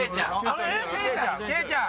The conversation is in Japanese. あっケイちゃん！